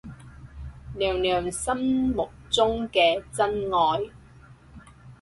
娘娘心目中嘅真愛